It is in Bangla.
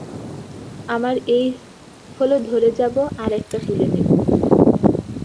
আমরা এই হল ধরে যাব আর একটা তুলে নেব।